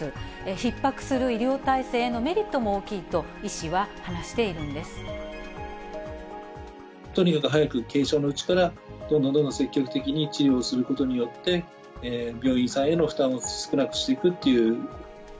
ひっ迫する医療体制へのメリットも大きいと、医師は話しているんとにかく早く軽症のうちから、どんどんどんどん積極的に治療をすることによって、病院さんへの負担を少なくしていくっていう。